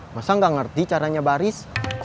masa nggak ngerti caranya baris